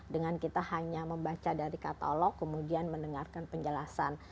dengan kita hanya membaca dari katalog kemudian mendengarkan penjelasan